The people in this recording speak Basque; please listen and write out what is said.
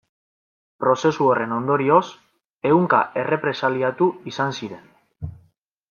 Prozesu horren ondorioz, ehunka errepresaliatu izan ziren.